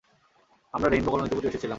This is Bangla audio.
আমরা রেইনবো কলোনিতে প্রতিবেশী ছিলাম।